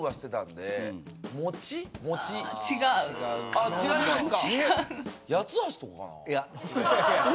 あ違いますか！